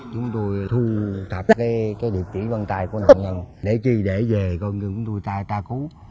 chúng tôi thu thập cái địa chỉ văn tài của nạn nhân để khi để về con người chúng tôi tra cứu